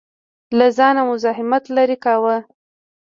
له ځانه مزاحمت لرې کاوه.